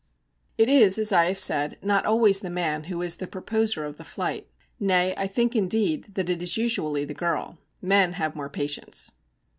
It is, as I have said, not always the man who is the proposer of the flight. Nay, I think indeed that it is usually the girl. 'Men have more patience.'